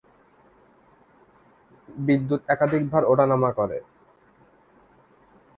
বিদ্যুৎ একাধিকবার ওঠানামা করে।